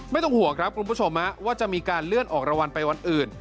ไม่ต้องห่วงครับคุณผู้ชมว่าจะมีการเลื่อนออกรางวัลไปวันอื่น